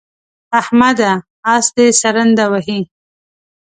احمده! اس دې سرنده وهي.